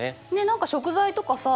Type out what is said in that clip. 何か食材とかさ